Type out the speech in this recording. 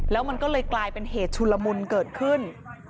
แล้วมันก็เลยกลายเป็นเหตุชุลมุนเกิดขึ้น